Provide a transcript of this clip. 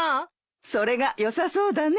それがよさそうだね。